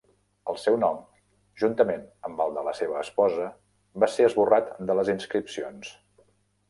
El seu nom, juntament amb el de la seva esposa, va ser esborrat de les inscripcions.